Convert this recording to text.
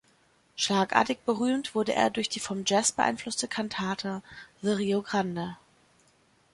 Schlagartig berühmt wurde er durch die vom Jazz beeinflusste Kantate "The Rio Grande".